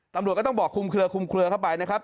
ตำรวจก็ต้องบอกคุมเคลือคุมเคลือเข้าไปนะครับ